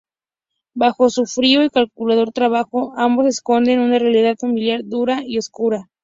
Bajo su frío y calculador trabajo, ambos esconden una realidad familiar dura y oscura.